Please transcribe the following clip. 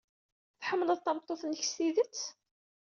Tḥemmleḍ tameṭṭut-nnek s tidet?